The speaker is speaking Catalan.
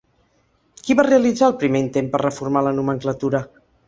Qui va realitzar el primer intent per reformar la nomenclatura?